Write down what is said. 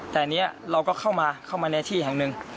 แต่อันนี้เราก็เข้ามาเข้ามาในที่แห่งหนึ่ง